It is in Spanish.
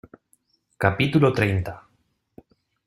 capítulo treinta.